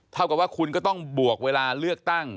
เท่ากับว่าคุณก็ต้องบวกเวลาเลือกตั้ง